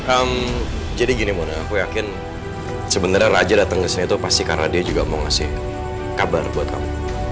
ehm jadi gini aku yakin sebenarnya raja datang ke sini itu pasti karena dia juga mau ngasih kabar buat kamu